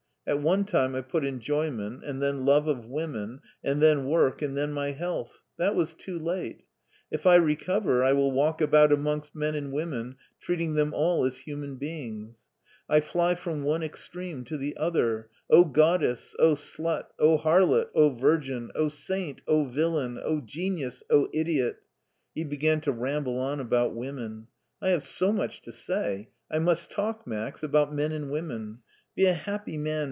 At one time I put enjoyment, and then love of women, and then work, and then my health. That was too late. If I recover I will walk about amongst men and women treating them all as human beings. I fly from one extreme to the other — Oh, goddess! Oh, slut! Oh, harlot! Oh, virgin! Oh, saint! Oh, villain! Oh, genius ! Oh, idiot !" He began to ramble on about wcmien. " I have so much to say. I must talk. Max, about men and women. Be a happy man.